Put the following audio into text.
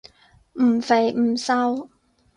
唔肥唔瘦